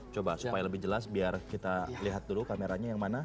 coba supaya lebih jelas biar kita lihat dulu kameranya yang mana